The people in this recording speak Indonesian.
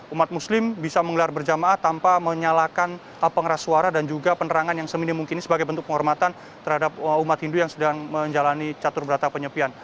umat muslim bisa menggelar berjamaah tanpa menyalakan pengeras suara dan juga penerangan yang semini mungkin sebagai bentuk penghormatan terhadap umat hindu yang sedang menjalani catur berata penyepian